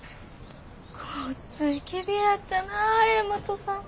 ごっついきれいやったなあ大和さん。